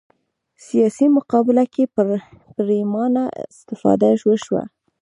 سیاسي مقابله کې پرېمانه استفاده وشوه